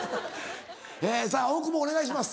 えさぁ大久保お願いします。